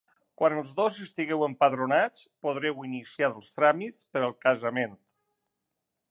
Quan els dos estigueu empadronats, podreu iniciar els tràmits per al casament.